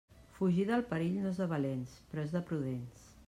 Fugir del perill no és de valents, però és de prudents.